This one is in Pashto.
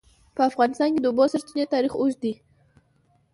په افغانستان کې د د اوبو سرچینې تاریخ اوږد دی.